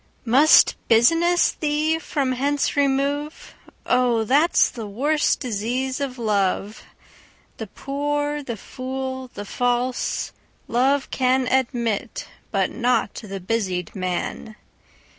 Must business thee from hence remove? Oh, that's the worse disease of love! The poor, the fool, the false, love canAdmit, but not the busied man.